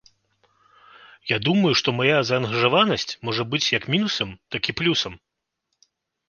Я думаю што мая заангажаванасць можа быць як мінусам так і плюсам.